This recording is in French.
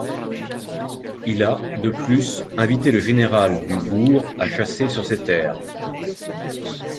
Il a, de plus, invité le général du Bourg à chasser sur ses terres.